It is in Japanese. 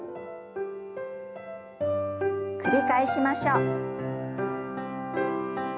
繰り返しましょう。